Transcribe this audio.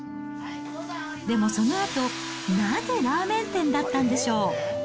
でも、そのあと、なぜラーメン店だったんでしょう。